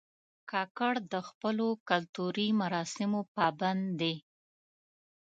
کاکړ د خپلو کلتوري مراسمو پابند دي.